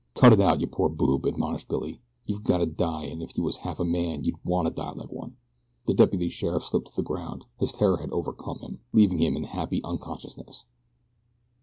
"Cut it out, you poor boob," admonished Billy. "You've gotta die and if you was half a man you'd wanna die like one." The deputy sheriff slipped to the ground. His terror had overcome him, leaving him in happy unconsciousness.